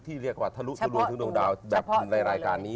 เรียกว่าทะลุทุดวงทั้งดวงดาวแบบในรายการนี้